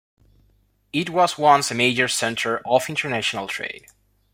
It was once a major centre of international trade.